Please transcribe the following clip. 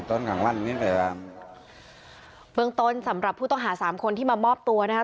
เบื้องต้นสำหรับผู้ต้องหา๓คนที่มามอบตัวนะครับ